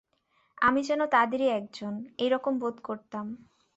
আমি যেন তাদেরই একজন, এই-রকম বোধ করতাম।